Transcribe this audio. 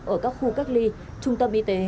ở các khu cách ly trung tâm y tế